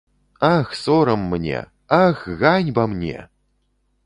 Ах, сорам мне, ах, ганьба мне!